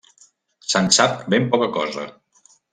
Se'n sap ben poca cosa.